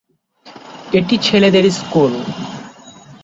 এটি ছেলেদের স্কুল।